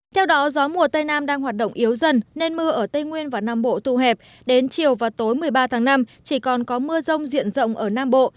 theo đó gió mùa tây nam đang hoạt động yếu dần nên mưa ở tây nguyên và nam bộ tù hẹp đến chiều và tối một mươi ba tháng năm chỉ còn có mưa rông diện rộng ở nam bộ